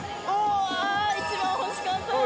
一番欲しかったやつ。